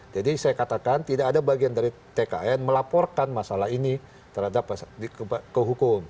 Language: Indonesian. saya katakan tidak ada bagian dari tkn melaporkan masalah ini terhadap ke hukum